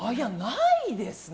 ないですね。